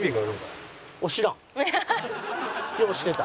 ようしてた。